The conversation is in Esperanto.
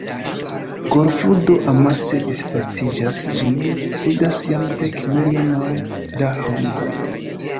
Golfludo amase disvastiĝas – ĝin ludas jam dek milionoj da homoj.